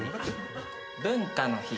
文化の日。